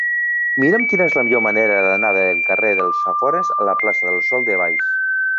Mira'm quina és la millor manera d'anar del carrer dels Afores a la plaça del Sòl de Baix.